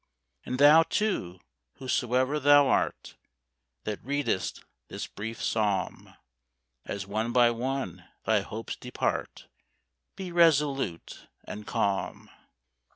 And thou, too, whosoe'er thou art, That readest this brief psalm, As one by one thy hopes depart, Be resolute and calm.